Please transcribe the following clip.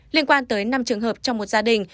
liên quan tới năm trường hợp trong một gia đình